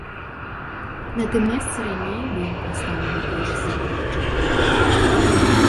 На тым месцы раней быў пастаўлены крыж з агароджай.